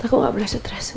aku gak boleh stress